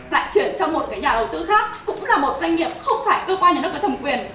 lại chuyển cho một cái nhà đầu tư khác cũng là một doanh nghiệp không phải cơ quan nhà nước có thẩm quyền